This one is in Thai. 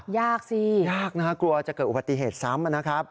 ยากสินะครับกลัวจะเกิดอุปติเหตุซ้ำนะครับ